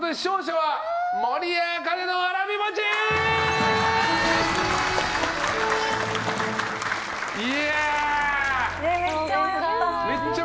はい。